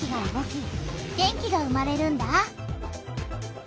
電気が生まれるんだ。